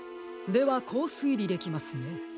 ではこうすいりできますね。